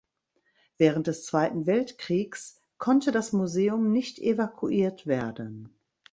Während des Zweiten Weltkriegs konnte das Museum nicht evakuiert werden.